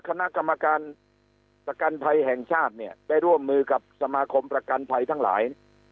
คณะกรรมการประกันภัยแห่งชาติเนี่ยได้ร่วมมือกับสมาคมประกันภัยทั้งหลาย